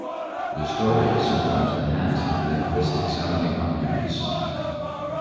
The story is sometimes enhanced with linguistic-sounding arguments.